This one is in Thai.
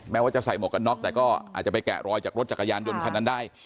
แม้ว่าจะใส่เหมือนกับนวคกแต่ก็อาจจะไปแกะรอยจากรถจากกระยานยนต์คนนั้นได้